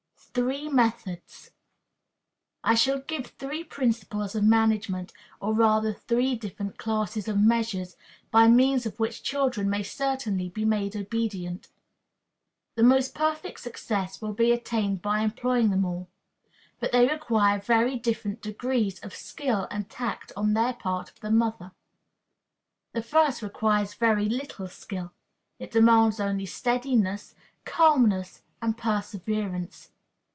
Three Methods. I shall give three principles of management, or rather three different classes of measures, by means of which children may certainly be made obedient. The most perfect success will be attained by employing them all. But they require very different degrees of skill and tact on the part of the mother. The first requires very little skill. It demands only steadiness, calmness, and perseverance.